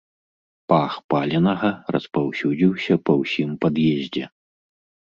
Пах паленага распаўсюдзіўся па ўсім пад'ездзе.